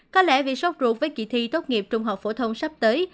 có lẽ vì sốc ruột với kỳ thi tốt nghiệp trung học phổ thùng sắp tới